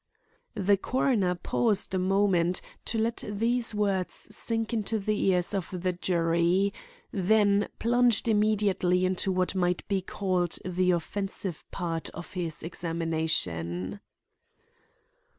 The coroner paused a moment to let these words sink into the ears of the jury, then plunged immediately into what might be called the offensive part of his examination.